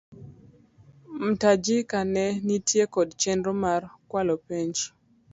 Mtajika ne nitie kod chenro mar kwalo penj.